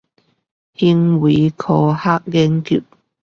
行為科學研究